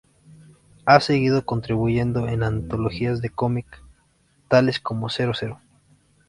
Ha seguido contribuyendo en antologías de cómic tales como "Zero Zero.